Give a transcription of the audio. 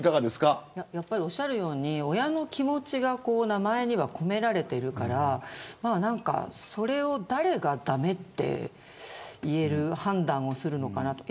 おっしゃるように親の気持ちが名前には込められているからそれを誰が駄目って言える判断をするのかなと。